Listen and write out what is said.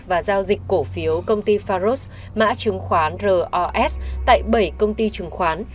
và giao dịch cổ phiếu công ty faros mã chứng khoán ros tại bảy công ty chứng khoán